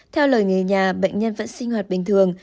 theo lời nghề nhà bệnh nhân vẫn sinh hoạt bình thường